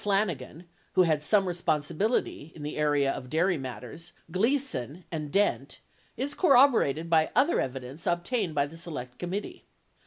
593 ing Ehrlichman, Peter Flanigan (who had some responsibility in the area of dairy matters), Gleason, and Dent, is corroborated by other evidence obtained by the Select Committee.